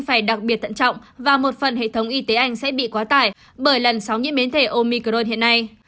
phải đặc biệt tận trọng và một phần hệ thống y tế anh sẽ bị quá tải bởi lần sóng những biến thể omicron hiện nay